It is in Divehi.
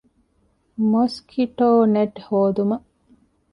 މޮސްކިޓޯނެޓް ހޯދުމަށް